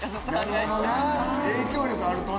なるほどな影響力あるとな。